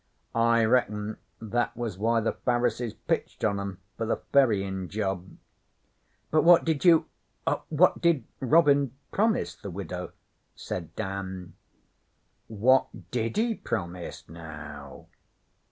I reckon that was why the Pharisees pitched on 'em for the ferryin' job.' 'But what did you what did Robin promise the Widow?' said Dan. 'What did he promise, now?'